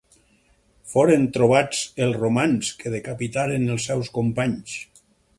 Foren trobats pels romans, que decapitaren els seus companys.